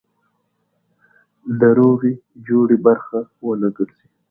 د روغې جوړې برخه ونه ګرځي.